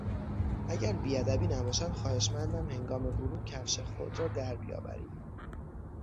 اگر بیادبی نباشد خواهشمندم هنگام ورود کفش خود را در بیاورید.